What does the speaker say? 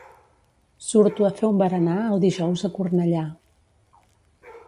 Surto a fer un berenar el dijous a Cornellà.